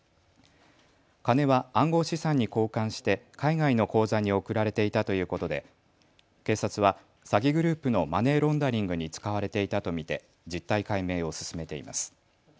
金は暗号資産に交換して海外の口座に送られていたということで警察は詐欺グループのマネーロンダリングに使われていたと見て実態解明を進めています。